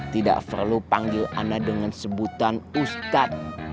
tidak perlu panggil anda dengan sebutan ustadz